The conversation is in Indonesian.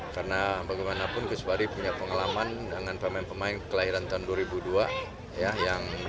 karena bagaimanapun kuswari punya pengalaman dengan pemain pemain kelahiran tahun dua ribu dua